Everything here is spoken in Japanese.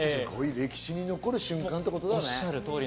歴史に残る瞬間ってことだね。